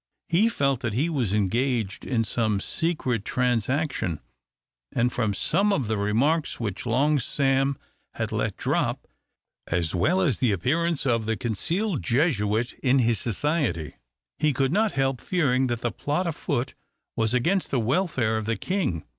He felt that he was engaged in some secret transaction; and from some of the remarks which Long Sam had let drop, as well as the appearance of the concealed Jesuit in his society, he could not help fearing that the plot afoot was against the welfare of the king.